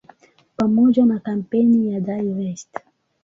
Pamoja na kampeni ya "Divest!